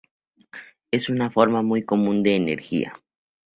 Es una forma muy común de energía.